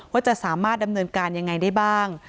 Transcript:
ว่าจะสามารถดำเนินการยังไงได้บ้าง